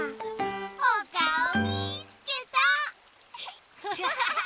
おかおみつけた！